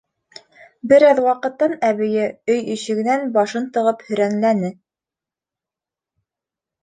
Бер аҙ ваҡыттан әбейе өй ишегенән башын тығып һөрәнләне: